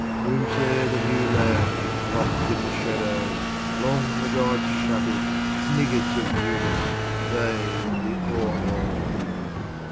Looms there the New Land:Locked in the shadowLong the gods shut it, Niggards of newnessThey, the o'er old.